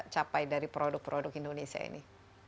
capai dari produk produk indonesia ini